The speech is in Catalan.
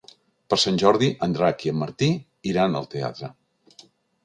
Per Sant Jordi en Drac i en Martí iran al teatre.